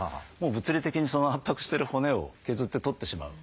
物理的に圧迫してる骨を削って取ってしまう。